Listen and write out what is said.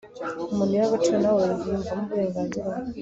umuntu wiha agaciro na we yiyumvamo uburenganzira bwe